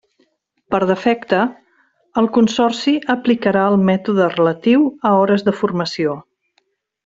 Per defecte, el Consorci aplicarà el mètode relatiu a hores de formació.